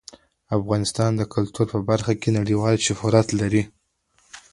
افغانستان د کلتور په برخه کې نړیوال شهرت لري.